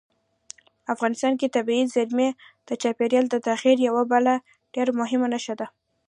افغانستان کې طبیعي زیرمې د چاپېریال د تغیر یوه بله ډېره مهمه نښه ده.